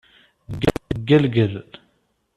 Ggelgel.